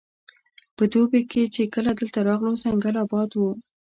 په دوبي کې چې کله دلته راغلو ځنګل اباد وو.